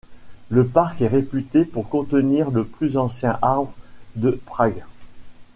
Le parc est réputée pour contenir le plus ancien arbre de Prague.